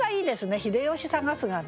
「秀吉探す」がね。